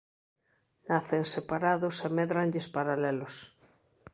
Nacen separados e médranlles paralelos.